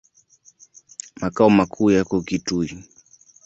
Makao makuu yako Kitui.